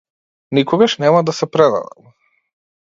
Никогаш нема да се предадам.